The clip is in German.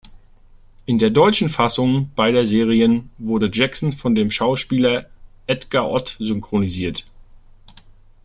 In der deutschen Fassung beider Serien wurde Jackson von dem Schauspieler Edgar Ott synchronisiert.